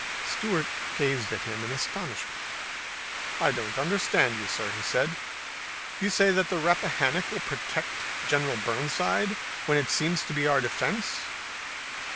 Stuart gazed at him in astonishment. "I don't understand you, sir," he said. "You say that the Rappahannock will protect General Burnside when it seems to be our defense."